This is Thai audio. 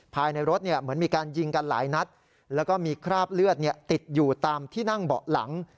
ภายในรถเหมือนมีการยิงกันหลายนัดแล้วก็มีคราบเลือดติดอยู่ตามที่นั่งเบาะหลัง